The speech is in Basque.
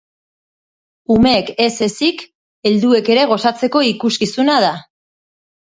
Umeek ez ezik, helduek ere gozatzeko ikuskizuna da.